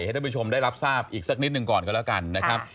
ให้ด้วยผู้ชมได้รับทราบอีกสักนิดหนึ่งก่อนก็แล้วกัน